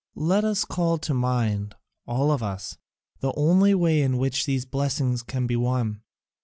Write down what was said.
Let us call to mind, all of us, the only way in which these blessings can be won.